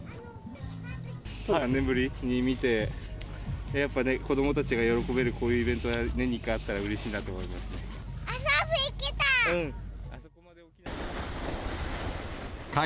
３年ぶりに見て、やっぱね、子どもたちが喜べるこういうイベントは年に１回あったら、うれし遊び行きたい！